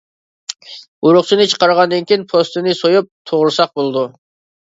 ئۇرۇقچىنى چىقارغاندىن كېيىن، پوستىنى سويۇپ، توغرىساق بولىدۇ.